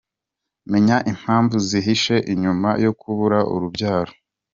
Menya impamvu zihishe inyuma yo kubura urubyaro.